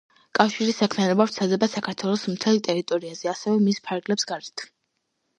კავშირის საქმიანობა ვრცელდება საქართველოს მთელ ტერიტორიაზე, ასევე მის ფარგლებს გარეთ.